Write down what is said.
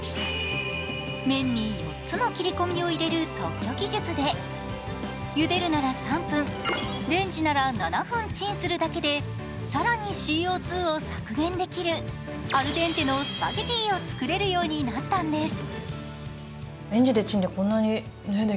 麺に４つの切り込みを入れる特許技術でゆでるなら３分、レンジなら７分チンするだけで更にＣＯ２を削減できるアルデンテのスパゲティを作れるようになったんです。